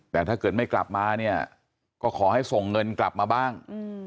แต่ถ้าเกิดไม่กลับมาเนี่ยก็ขอให้ส่งเงินกลับมาบ้าง